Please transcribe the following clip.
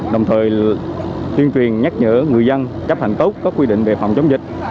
đồng thời tuyên truyền nhắc nhở người dân chấp hành tốt các quy định về phòng chống dịch